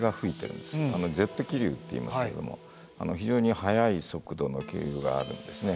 ジェット気流っていいますけども非常に速い速度の気流があるんですね。